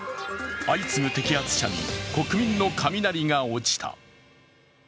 相次ぐ摘発者に、国民の雷が落ちた。